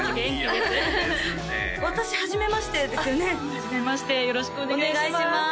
あっはじめましてよろしくお願いします